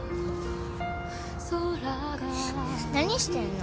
何してんの？